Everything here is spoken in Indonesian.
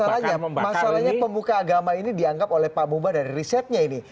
masalahnya masalahnya pemuka agama ini dianggap oleh pak mubah dari risetnya ini